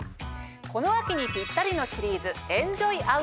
この秋にピッタリのシリーズ。